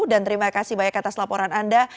dan terima kasih banyak atas laporan anda